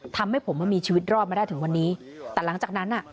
ทำให้ผมมีชีวิตรอดมาได้ถึงวันนี้แต่หลังจากนั้นอ่ะ